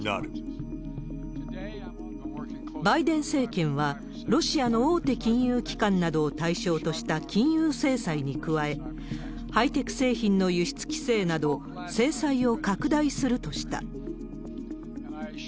バイデン政権は、ロシアの大手金融機関などを対象とした金融制裁に加え、ハイテク製品の輸出規制など、制裁を拡大するとした。